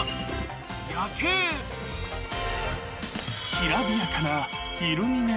［きらびやかな］